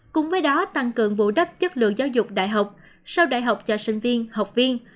cùng với đó tăng cường bù đắp chất lượng giáo dục đại học sau đại học cho sinh viên học viên